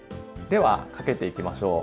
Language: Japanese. ではかけていきましょう。